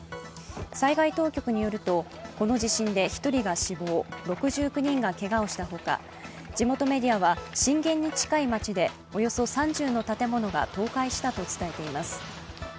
災害当局によると、この地震で１人が死亡、６９人がけがをしたほか地元メディアは震源に近い町でおよそ３０の建物が倒壊したと伝えています。